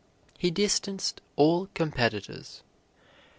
He distanced all competitors.